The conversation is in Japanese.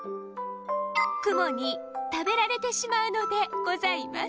クモにたべられてしまうのでございます。